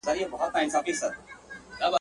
د ده حکم، که خبره وه قانون وو.